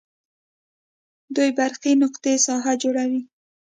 دوې برقي نقطې ساحه جوړوي.